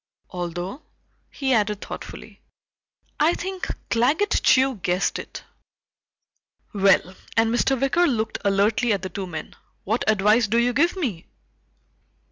Although," he added thoughtfully, "I think Claggett Chew guessed it. Well," and Mr. Wicker looked alertly at the two men, "what advice do you give me?"